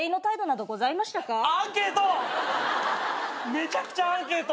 めちゃくちゃアンケート！